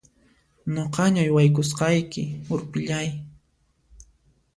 Nuqaña uywakusqayki urpillay!